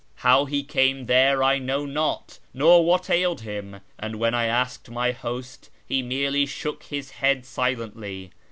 How he came there I know not, nor what ailed him ; and when I asked my host he merely shook his head silently.